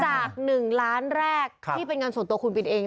จาก๑ล้านแรกที่เป็นเงินส่วนตัวคุณบินเอง